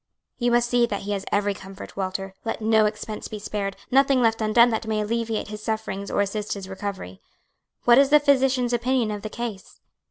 "You must see that he has every comfort, Walter; let no expense be spared, nothing left undone that may alleviate his sufferings or assist his recovery. What is the physician's opinion of the case?"